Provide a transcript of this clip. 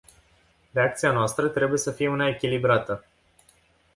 Reacția noastră trebuie să fie una echilibrată.